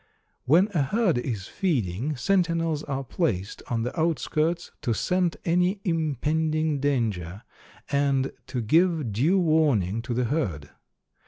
When a herd is feeding, sentinels are placed on the outskirts to scent any impending danger, and to give due warning to the herd.